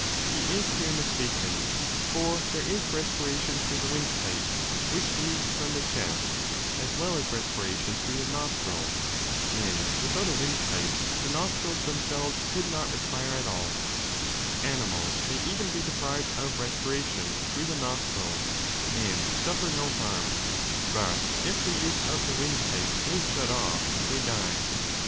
He is here mistaken, 2 for there is respiration through the windpipe, which leads from the chest, as well as respiration through the nostrils, and without a windpipe the nostrils themselves could not respire at alL Animals may even be deprived of respiration through the nostrils and suffer no harm, but if the use of the windpipe is shut off they die.